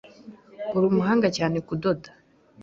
Urumuhanga cyane kudoda.